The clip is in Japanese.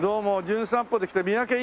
『じゅん散歩』で来た三宅